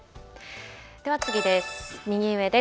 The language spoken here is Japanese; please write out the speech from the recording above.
では次です。